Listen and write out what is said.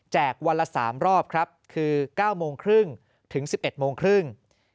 วันละ๓รอบครับคือ๙โมงครึ่งถึง๑๑โมงครึ่ง